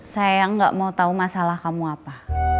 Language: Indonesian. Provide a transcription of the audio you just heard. saya yang gak mau tahu masalah kamu apa